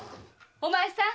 お前さん